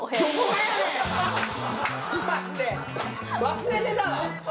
忘れてたわ。